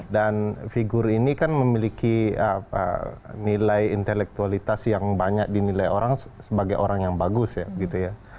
dan figur ini kan memiliki nilai intelektualitas yang banyak dinilai orang sebagai orang yang bagus ya